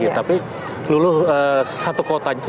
tapi luluh satu kotanya itu seratus m dua